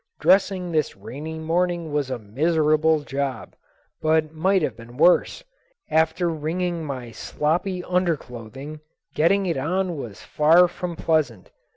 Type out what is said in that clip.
Dressing this rainy morning was a miserable job, but might have been worse. After wringing my sloppy underclothing, getting it on was far from pleasant.